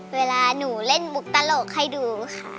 เวลาหนูเล่นมุกตลกให้ดูค่ะ